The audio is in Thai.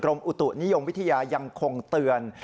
อุตุนิยมวิทยายังคงเตือน